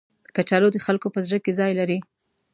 کچالو د خلکو په زړه کې ځای لري